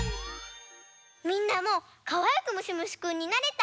みんなもかわいくむしむしくんになれた？